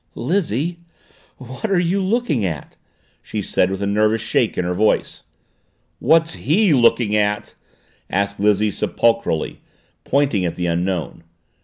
"Lizzie what are you looking at?" she said with a nervous shake in her voice. "What's he looking at?" asked Lizzie sepulchrally, pointing at the Unknown.